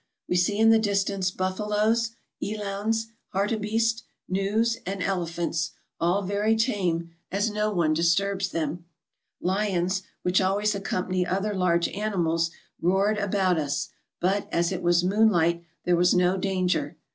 We see in the distance buffaloes, elands, hartebeest, gnus, and elephants, all very tame, as no one disturbs them. Lions, which always accompany other large animals, roared about us, but, as it was moon light, there was no danger.